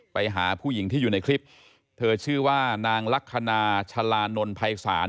ไปหาผู้หญิงที่อยู่ในคลิปเธอชื่อว่านางลักษณะชาลานนท์ภัยศาล